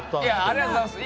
ありがとうございます。